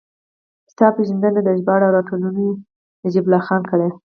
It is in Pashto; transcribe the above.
کتاب پېژندنه ده، ژباړه او راټولونه یې نجیب الله خان کړې.